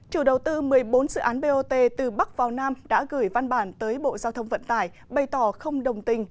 chủ đầu tư một mươi bốn dự án bot từ bắc vào nam đã gửi văn bản tới bộ giao thông vận tải bày tỏ không đồng tình